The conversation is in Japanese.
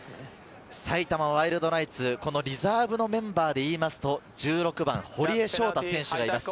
埼玉ワイルドナイツ、リザーブのメンバーでいうと１６番・堀江翔太選手がいます。